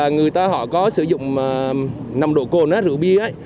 người ta có sử dụng nồng độ cồn rượu bia